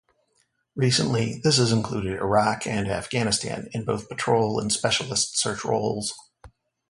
Recently, this has included Iraq and Afghanistan, in both patrol and specialist search roles.